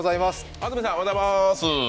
安住さん、おはようございます。